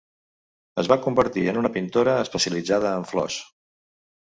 Es va convertir en una pintora especialitzada en flors.